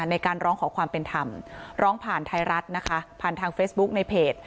ในการร้องขอความเป็นธรรมร้องผ่านไทยรัฐนะคะผ่านทางเฟซบุ๊กในเพจ